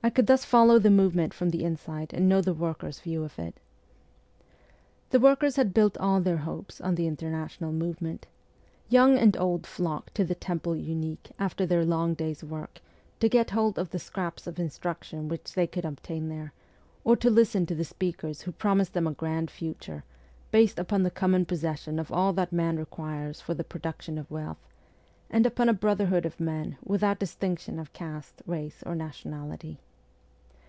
I could thus follow the movement from the inside, and know the workers' view of it. The workers had built all their hopes on the international movement. Young and old flocked to the Temple Unique after their long day's work, to get hold of the scraps of instruction which they could obtain there, or to listen to the speakers who promised them a grand future, based upon the common possession of all that man requires for the production of wealth, and upon a brotherhood of men, without distinction of caste, race, or nationality.